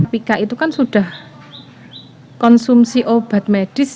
pika itu kan sudah konsumsi obat medis